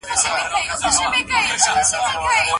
خپل بدن ته د استراحت حق ورکړئ.